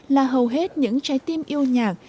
là hầu hết những trái tim yêu nhạc